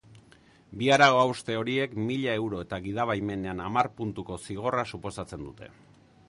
Bi arau-hauste horiek mila euro eta gidabaimenean hamar puntuko zigorra suposatzen dute.